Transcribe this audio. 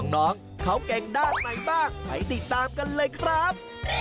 น้องเขาเก่งด้านไหนบ้างไปติดตามกันเลยครับ